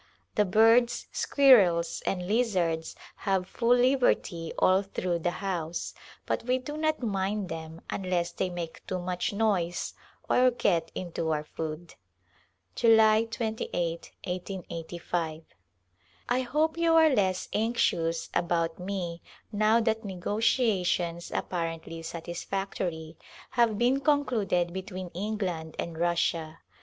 The birds, squirrels, and lizards have full liberty all through the house, but we do not mind them unless they make too much noise or get into our food. July 2S, iS8s. I hope you are less anxious about me now that ne gotiations — apparently satisfactory — have been con cluded between England and Russia.